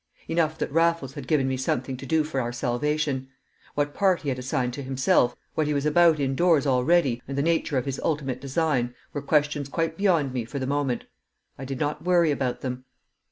Enough that Raffles had given me something to do for our salvation; what part he had assigned to himself, what he was about indoors already, and the nature of his ultimate design, were questions quite beyond me for the moment. I did not worry about them.